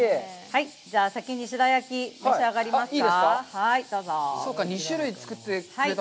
じゃあ先に白焼き、召し上がりますか？